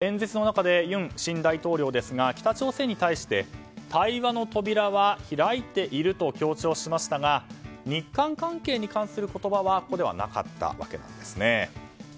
この演説の中で尹新大統領ですが北朝鮮に対して対話の扉は開いていると強調しましたが日韓関係への言葉はここではなかったわけです。